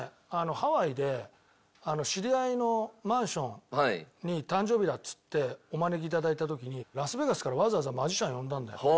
ハワイで知り合いのマンションに誕生日だっつってお招きいただいた時にラスベガスからわざわざマジシャン呼んだんだよ。